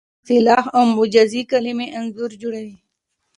اصطلاح او مجازي کلمې انځور جوړوي